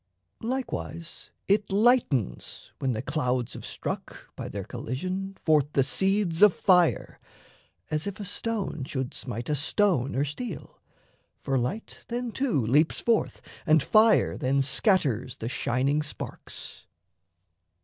Likewise, it lightens, when the clouds have struck, By their collision, forth the seeds of fire: As if a stone should smite a stone or steel, For light then too leaps forth and fire then scatters The shining sparks.